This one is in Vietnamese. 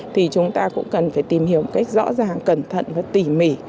thì chúng ta cũng cần phải tìm hiểu một cách rõ ràng cẩn thận và tỉ mỉ